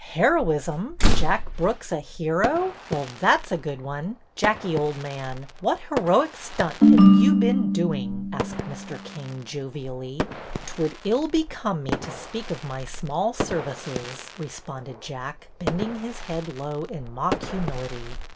Heroism ! Jack Brooks a hero ! Well, that 's a good one! Jackie, old man, what heroic stunt have you been doing?" asked Mr. King, jovially. '' 'T would ill become me to speak of my small services," responded Jack, bending his head low in mock humility.